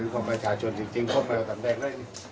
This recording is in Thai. ฝั่งประชาชนจริงพบใหม่ผ่านแด็กด้วย